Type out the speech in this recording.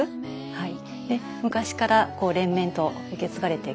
はい。